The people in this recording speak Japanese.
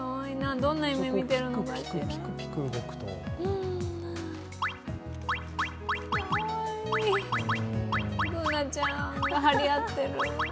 Ｂｏｏｎａちゃんが張り合ってる。